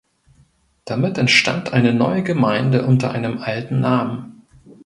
Damit entstand eine neue Gemeinde unter einem alten Namen.